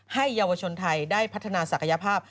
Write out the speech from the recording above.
เยาวชนไทยได้พัฒนาศักยภาพ